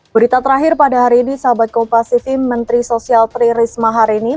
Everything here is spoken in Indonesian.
berita terakhir pada hari ini sobat kompas tv menteri sosial tri risma harimau